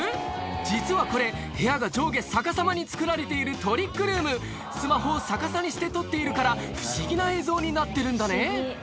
実はこれ部屋が上下逆さまにつくられているスマホを逆さにして撮っているから不思議な映像になってるんだね